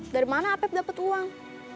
dari mana atlet dapat uang